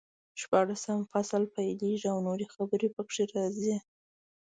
شپاړسم فصل پیلېږي او نورې خبرې پکې راځي.